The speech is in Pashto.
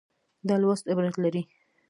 دا لوست عبرت لري.